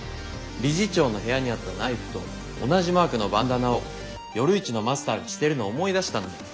理事長の部屋にあったナイフと同じマークのバンダナをよるイチのマスターがしてるのを思い出したんだよ。